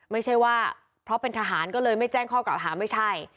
ไม่ใช่ว่าเพราะเป็นทหารก็เลยไม่แจ้งข้อกล่าวหาไม่ใช่